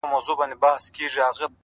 علم د تصمیم نیولو توان زیاتوي.!